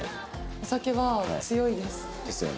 お酒は強いです。ですよね。